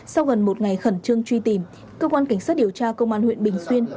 sau gần một ngày khẩn trương truy tìm cơ quan cảnh sát điều tra công an huyện bình xuyên